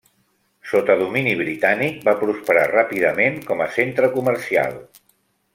Sota domini britànic va prosperar ràpidament com a centre comercial.